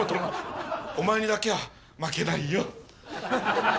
お前にだけは負けないよ。